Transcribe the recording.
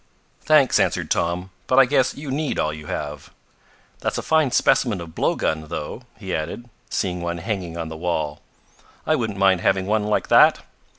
"Thanks," answered Tom, "but I guess you need all you have. That's a fine specimen of blow gun though," he added, seeing one hanging on the wall. "I wouldn't mind having one like that.